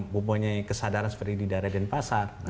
mempunyai kesadaran seperti di daerah dan pasar